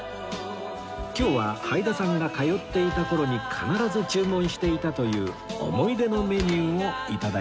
今日ははいださんが通っていた頃に必ず注文していたという思い出のメニューを頂きます